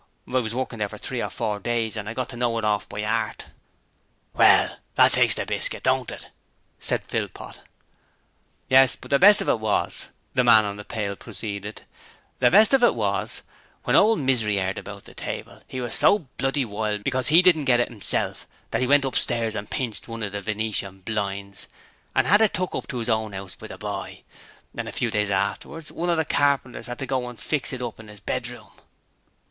I was workin' there for three or four days and I got to know it orf by 'eart.' 'Well, that takes the biskit, don't it?' said Philpot. 'Yes: but the best of it was,' the man on the pail proceeded, 'the best of it was, when ole Misery 'eard about the table, 'e was so bloody wild because 'e didn't get it 'imself that 'e went upstairs and pinched one of the venetian blinds and 'ad it took up to 'is own 'ouse by the boy, and a few days arterwards one of the carpenters 'ad to go and fix it up in 'is bedroom.'